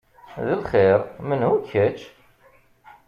D lxir! Menhu-k kečč?